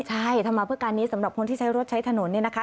ใช่ทำมาเพื่อการนี้สำหรับคนที่ใช้รถใช้ถนนเนี่ยนะคะ